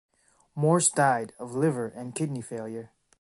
Moores died of liver and kidney failure.